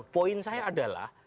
poin saya adalah